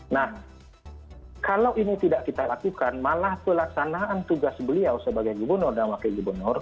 nah kalau ini tidak kita lakukan malah pelaksanaan tugas beliau sebagai gubernur dan wakil gubernur